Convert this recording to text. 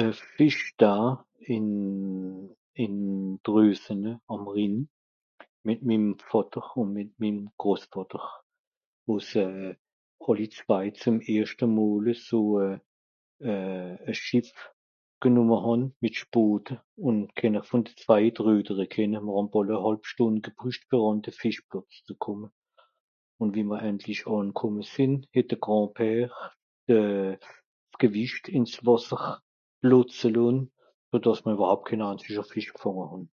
E Fìschta, ìn... ìn Drüssene àm Rhin, mìt mim Vàtter ùn mìt mim Grosvàtter. Wo se àlli zwei zem erschte mol eso e... e... e Schìff genùmme hàn (...) ùn kener vùn de zwei het (...) kenne mìr hàn ànderhàlb Stùnd gebrücht fer àn de Fìschblock ze kùmme. Ùn wie mr endlich ànnekùmme sìnn het de Grand-Père euh... Gewìcht ìns Wàsser (...) lonn ùn dàss mr ìwerhaupt kén anzischer Fìsch gfànge hàn.